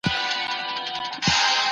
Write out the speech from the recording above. لوستل باید په سوق او مینه وي.